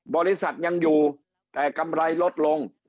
บริษัทยังอยู่แต่กำไรลดลง